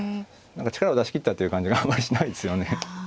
力を出し切ったっていう感じがあんまりしないですよね。